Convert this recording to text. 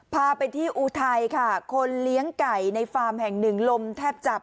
พาไปที่อุทัยค่ะคนเลี้ยงไก่ในฟาร์มแห่งหนึ่งลมแทบจับ